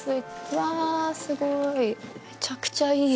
うわすごい。